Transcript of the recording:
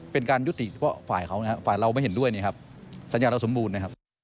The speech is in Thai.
เป็นการยุติเพราะฝ่ายเราไม่เห็นด้วยสัญญาเราสมบูรณ์